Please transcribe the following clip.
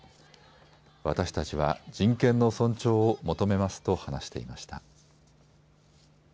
私たちは人権の尊重を求めますと話していました。